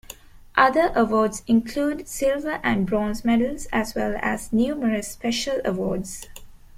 Other awards include silver and bronze medals, as well as numerous special awards.